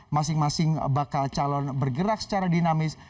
masing masing bakal calon bergerak secara dinamis